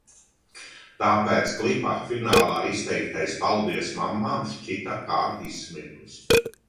Tāpēc klipa finālā izteiktais paldies mammām šķita kā izsmiekls.